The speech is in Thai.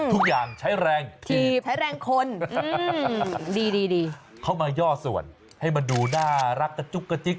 ทุกอย่างใช้แรงถีบใช้แรงคนดีดีเข้ามาย่อส่วนให้มันดูน่ารักกระจุกกระจิ๊ก